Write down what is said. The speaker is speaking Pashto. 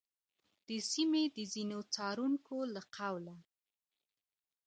د سیمې د ځینو څارونکو له قوله،